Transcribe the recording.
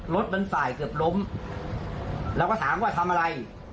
รถมันสายเกือบล้มเราก็ถามว่าทำอะไร